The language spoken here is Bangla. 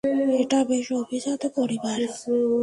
এটা বেশ অভিজাত পরিবার।